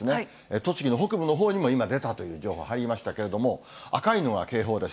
栃木の北部のほうにも今、出たという情報入りましたけど、赤いのが警報です。